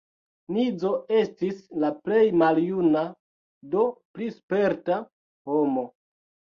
Nizo estis la plej maljuna, do pli sperta homo.